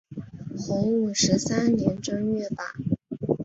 洪武十三年正月罢。